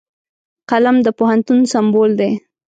قلم د پوهنتون سمبول دی